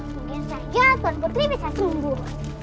mungkin saja tuan putri bisa tumbuh